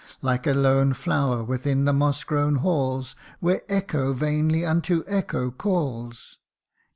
Like a lone flower within the moss grown halls Where echo vainly unto echo calls.